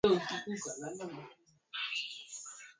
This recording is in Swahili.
saka uungwaji mkono katika kushughulikia